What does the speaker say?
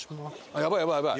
やばいやばいやばい。